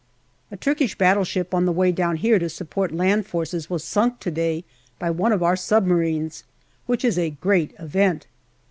A Turkish battleship, on the way down here to support land forces, was sunk to day by one of our submarines, which is a great event.